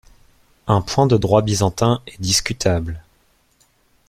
Un point de droit byzantin est discutable.